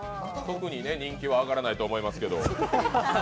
特に人気は上がらないと思いますけど。